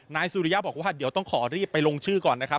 นายสุริยะบอกว่าเดี๋ยวต้องขอรีบไปลงชื่อก่อนนะครับ